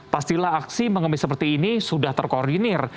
pastilah aksi mengemis seperti ini sudah terkoordinir